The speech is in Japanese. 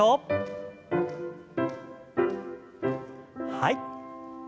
はい。